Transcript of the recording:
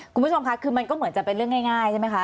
คุณผู้ชมค่ะคือมันก็เหมือนจะเป็นเรื่องง่ายใช่ไหมคะ